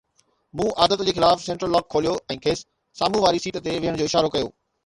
مون عادت جي خلاف سينٽرل لاڪ کوليو ۽ کيس سامهون واري سيٽ تي ويهڻ جو اشارو ڪيو